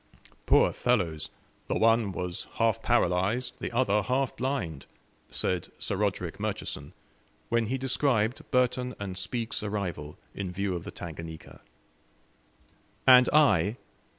"Poor fellows! The one was half paralyzed, the other half blind," said Sir Roderick Murchison, when he described Burton and Spoke's arrival in view of the Tanganika. And I?